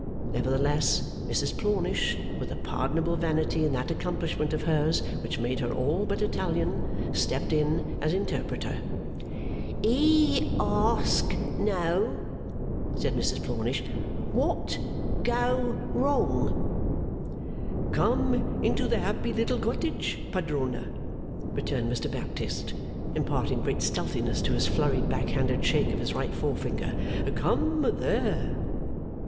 Nevertheless, Mrs Plornish, with a pardonable vanity in that accomplishment of hers which made her all but Italian, stepped in as interpreter. 'E ask know,' said Mrs Plornish, 'what go wrong?' 'Come into the happy little cottage, Padrona,' returned Mr Baptist, imparting great stealthiness to his flurried back handed shake of his right forefinger. 'Come there!